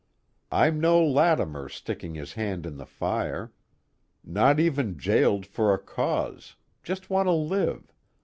I'm no Latimer sticking his hand in the fire. Not even jailed for a Cause, just want to live.